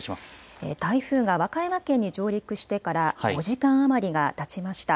台風が和歌山県に上陸してから５時間余りがたちました。